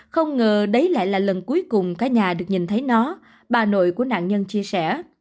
không ngờ đấy lại là lần cuối cùng cả nhà được nhìn thấy nó bà nội của nạn nhân chia sẻ